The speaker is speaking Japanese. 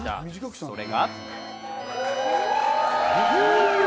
それが。